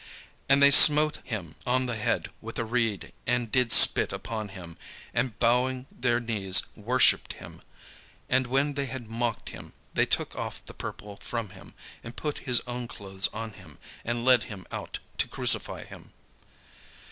And they smote him on the head with a reed, and did spit upon him, and bowing their knees worshipped him. And when they had mocked him, they took off the purple from him, and put his own clothes on him, and led him out to crucify him.